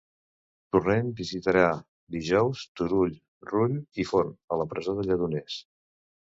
Torrent visitarà dijous Turull, Rull i Forn a la presó de Lledoners.